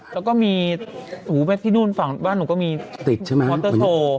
แล้วก็มีศูนย์แม่งที่นู่นฝั่งบ้านหนูก็มีติดใช่ไหมวันเตอร์โทร